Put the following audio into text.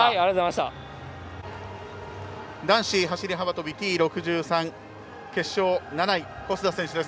男子走り幅跳びＴ６３決勝７位小須田選手です。